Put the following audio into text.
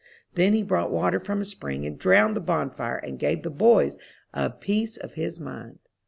Then he brought water from a spring and drowned the bonfire, and gave the boys "a piece of his mind."